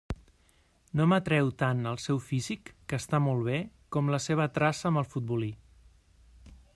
No m'atreu tant el seu físic, que està molt bé, com la seva traça amb el futbolí.